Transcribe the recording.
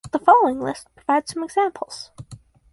The following list provides some examples.